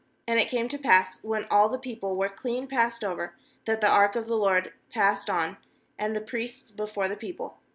uAnd it came to pass, when all the people were clean passed over, that the ark of the LORD passed on, and the priests, before the people.